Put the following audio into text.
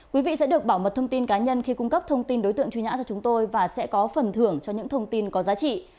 quý vị sẽ được bảo mật thông tin cá nhân khi cung cấp thông tin đối tượng truy nã cho chúng tôi và sẽ có phần thưởng cho những thông tin có giá trị